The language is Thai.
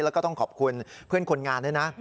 แล้วก็ต้องขอบคุณเพื่อนคนงานด้วยนะ